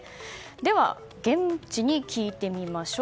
では、現地に聞いてみましょう。